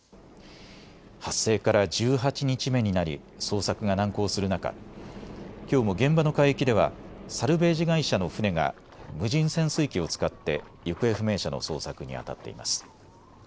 発生から１８日目になり捜索が難航する中、きょうも現場の海域ではサルベージ会社の船が無人潜水機を使って行方不明者の捜索にあたっています。